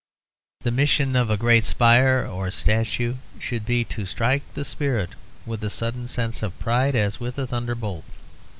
The mission of a great spire or statue should be to strike the spirit with a sudden sense of pride as with a thunderbolt.